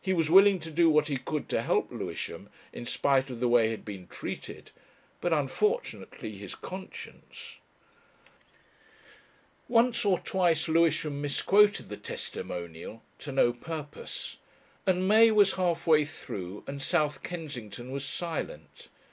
He was willing to do what he could to help Lewisham, in spite of the way he had been treated, but unfortunately his conscience.... Once or twice Lewisham misquoted the testimonial to no purpose. And May was halfway through, and South Kensington was silent.